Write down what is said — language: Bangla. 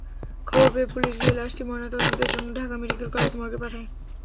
খবর পেয়ে পুলিশ গিয়ে লাশটি ময়নাতদন্তের জন্য ঢাকা মেডিকেল কলেজ মর্গে পাঠায়।